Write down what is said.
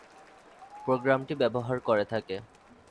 প্রোগ্রামটি ব্যবহার করে থাকে।